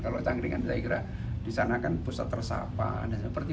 kalau tangkringan saya kira di sana kan pusat resapan dan sebagainya